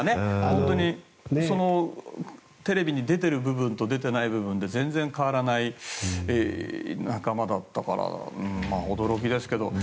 本当に、テレビに出ている部分と出ていない部分で全然、変わらない仲間だったから驚きですけど。